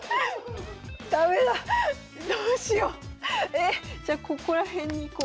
えじゃあここら辺に行こう。